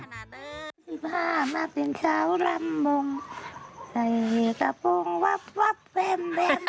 อายุ๑๕มาเป็นสาวรำวงใส่กระปุงวับเฟม